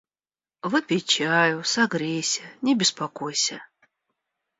Выпей чаю, согрейся, не беспокойся.